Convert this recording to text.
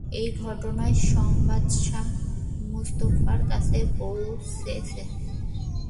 এই ঘটনার সংবাদ শাহ মুস্তাফার কাছে পৌঁছেছে।